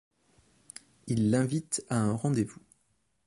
Il l'invite à un rendez-vous.